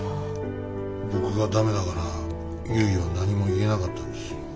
僕がダメだからゆいは何も言えなかったんです。